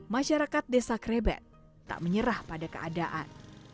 masyarakat desa krebet tak menyerah pada keadaan